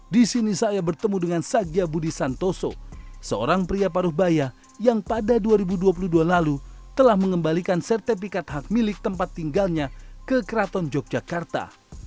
disini saya bertemu dengan sakyabudi santoso seorang pria paruhbaya yang pada dua ribu dua puluh dua lalu telah mengembalikan sertepikat hak milik tempat tinggalnya ke kraton yogyakarta